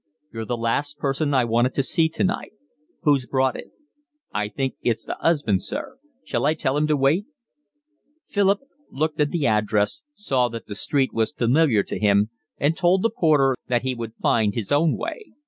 "You're the last person I wanted to see tonight. Who's brought it?" "I think it's the 'usband, sir. Shall I tell him to wait?" Philip looked at the address, saw that the street was familiar to him, and told the porter that he would find his own way.